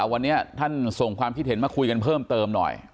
วันนี้ท่านส่งความคิดเห็นมาคุยกันเพิ่มเติมหน่อย